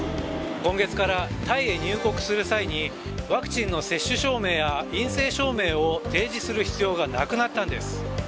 今月からタイへ入国する際にワクチンの接種証明や陰性証明を提示する必要がなくなったんです。